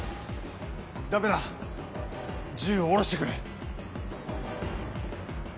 ダメだ銃を下ろしてくれ。